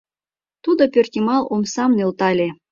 Тудо пӧртйымал омсам нӧлтале.